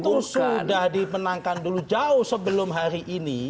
itu sudah dimenangkan dulu jauh sebelum hari ini